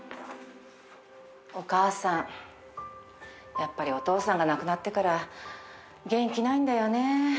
やっぱりお父さんが亡くなってから元気ないんだよね。